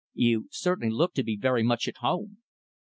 "You certainly look to be very much at home."